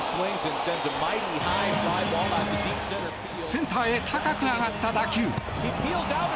センターへ高く上がった打球。